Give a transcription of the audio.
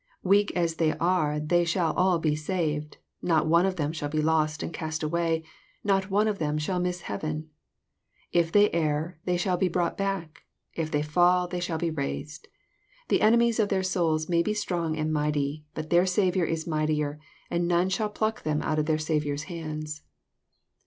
Weak as they are they shall all be saved. Not one of them shall be lost and cast away : not one of them shall miss heaven. If they err, they shall be brought back ; if they fall, they shall be raised. The enemies of their souls may be strong and mighty, but their Saviour is mightier ; and none shall pluck them out of their Saviour's hands.